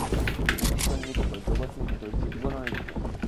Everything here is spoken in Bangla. ঈশ্বর নিত্য, জগৎ নিত্য, জীবগণও নিত্য।